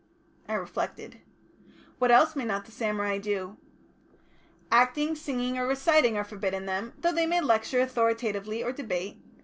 I reflected. "What else may not the samurai do?" "Acting, singing, or reciting are forbidden them, though they may lecture authoritatively or debate.